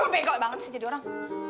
begok banget sih jadi orang